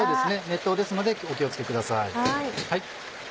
熱湯ですのでお気を付けください。